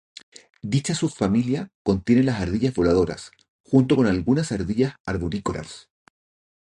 Dicha subfamilia contiene las ardillas voladoras, junto con algunas ardillas arborícolas.